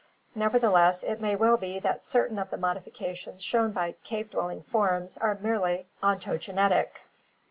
Nevertheless it may well be that cer tain of the modifications shown by cave dwelling forms are merely ontogenetic.